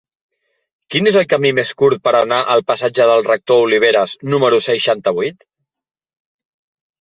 Quin és el camí més curt per anar al passatge del Rector Oliveras número seixanta-vuit?